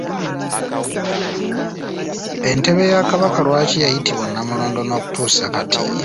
Entebe ya Kabaka lwaki yayitibwa Namulondo n’okutuusa kati?